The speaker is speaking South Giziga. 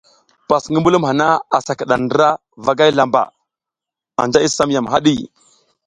Pas ngi mbulum hana asa kiɗa ndra vagay lamba, anja i sam yam haɗi.